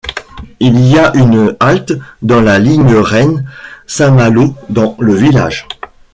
Il y a une halte de la ligne Rennes - Saint-Malo dans le village.